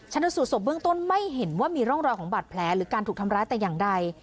ชนสูตรศพเบื้องต้นไม่เห็นว่ามีร่องรอยของบาดแผลหรือการถูกทำร้ายแต่อย่างใด